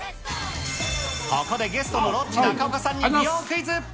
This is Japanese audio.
ここでゲストのロッチ・中岡さんに美容クイズ。